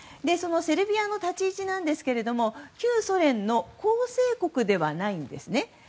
そのセルビアの立ち位置ですが旧ソ連の構成国ではないんですね。